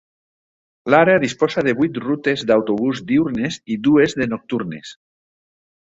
L'àrea disposa de vuit rutes d''autobús diürnes i dues de nocturnes.